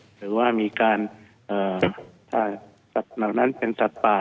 หรือว่ามีการถ้าสัตว์เหล่านั้นเป็นสัตว์ป่า